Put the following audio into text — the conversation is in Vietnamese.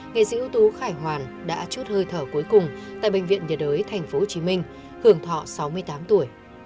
nghệ sĩ ưu tú khải hoàn đã chút hơi thở cuối cùng tại bệnh viện nhiệt đới tp hcm hưởng thọ sáu mươi tám tuổi